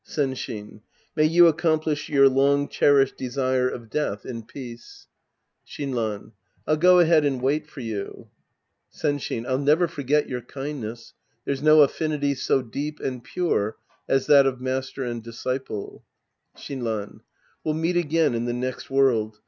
Senshin. May you accomplish your long cherished desire of death in peace. 242 The Priest and His Disciples Act VI Shinran. I'll go ahead and wait for you. Senshln. I'll never forget your kindness. There's no affinity so deep and pure as that of master and disciple. Shinran. We'll meet again in the next world.